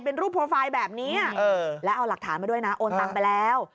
เป็นรูปโปรไฟล์แบบนี้แล้วเอาหลักฐานมาด้วยนะโอนตังไปแล้ว